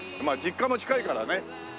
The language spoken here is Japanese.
まあ実家も近いからね。